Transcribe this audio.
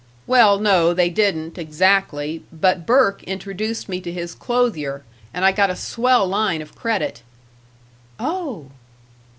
"Well, no, they didn't, exactly, but Burke introduced me to his clothier, and I got a swell line of credit." "Oh!"